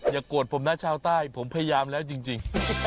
โกรธผมนะชาวใต้ผมพยายามแล้วจริง